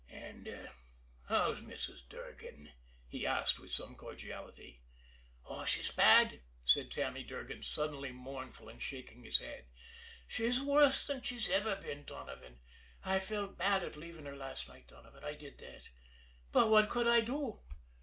"An' how's Mrs. Durgan?" he asked, with some cordiality. "She's bad," said Sammy Durgan, suddenly mournful and shaking his head. "She's worse than ever she's been, Donovan. I felt bad at leaving her last night, Donovan I did that. But what could I do?